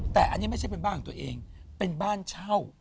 แต่อันนี้ไม่ใช่เป็นบ้านของตัวเองเป็นบ้านเช่า